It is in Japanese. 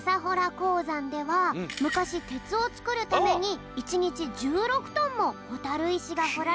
こうざんではむかしてつをつくるためにいちにち１６トンもほたるいしがほられていたんだぴょん。